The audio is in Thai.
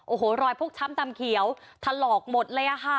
โอ้โหรอยพกช้ำตำเขียวถลอกหมดเลยอะค่ะ